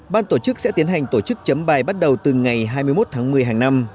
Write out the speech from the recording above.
ban tổ chức sẽ tiến hành tổ chức chấm bài bắt đầu từ ngày hai mươi một tháng một mươi hàng năm